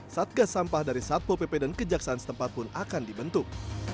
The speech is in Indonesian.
satgas sampah dari satpo pp dan kejaksaan setempat pun akan dibentuk